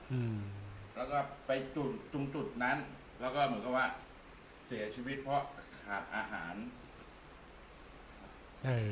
อืมแล้วก็ไปจุดตรงจุดนั้นแล้วก็เหมือนกับว่าเสียชีวิตเพราะขาดอาหารครับ